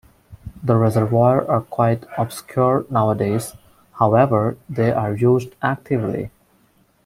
The reservoirs are quite obscure nowadays, however they are used actively.